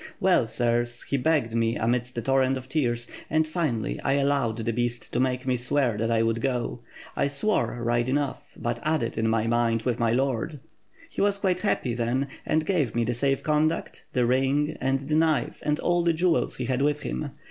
.. Well, sirs, he begged me, amidst a torrent of tears, and, finally, I allowed the beast to make me swear that I would go. I swore, right enough, but added, in my mind, with my lord!' He was quite happy, then, and gave me the safe con duct, the ring, and the knife and all the jewels he had with him.